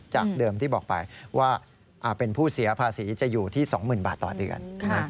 จากเดิมที่บอกไปว่าเป็นผู้เสียภาษีจะอยู่ที่๒๐๐๐บาทต่อเดือน